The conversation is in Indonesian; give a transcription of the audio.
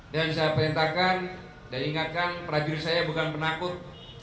dan saya perintahkan dan ingatkan prajurit saya bukan penakut